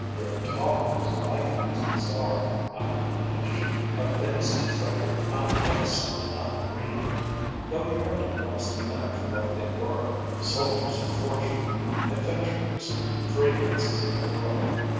Their talk was likewise bizarre and outlandish, of things to Frederick unguessed and undreamed, though he recognised the men for what they were soldiers of fortune, adventurers, free lances of the world.